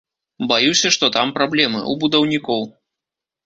Баюся, што там праблемы, у будаўнікоў.